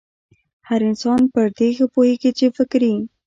هر انسان پر دې ښه پوهېږي چې فکري